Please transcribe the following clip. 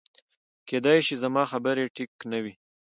کېدی شي زما خبره ټیک نه وه